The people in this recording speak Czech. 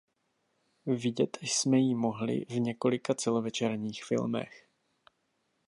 Vidět jsme jí mohli v několika celovečerních filmech.